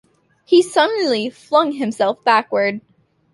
He suddenly flung himself backward.